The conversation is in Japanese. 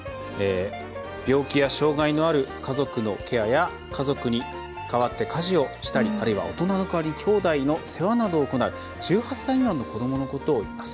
病気や障害のある家族のケアや家族に代わって家事をしたりあるいは、大人の代わりにきょうだいの世話などを行う１８歳未満の子どものことをいいます。